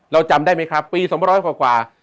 จำได้ไหมครับปี๒๐๐กว่า